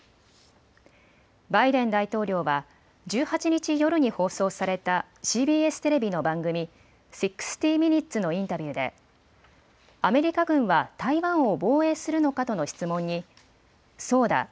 バイデン大統領は１８日夜に放送されたＣＢＳテレビの番組、６０ミニッツのインタビューでアメリカ軍は台湾を防衛するのかとの質問に、そうだ。